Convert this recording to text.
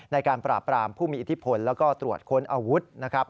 ในการปราบปรามผู้มีอิทธิพลแล้วก็ตรวจค้นอาวุธนะครับ